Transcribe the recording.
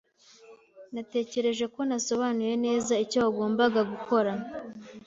Natekereje ko nasobanuye neza icyo wagombaga gukora.